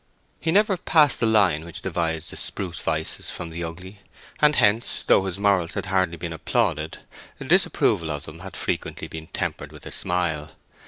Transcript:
He never passed the line which divides the spruce vices from the ugly; and hence, though his morals had hardly been applauded, disapproval of them had frequently been tempered with a smile.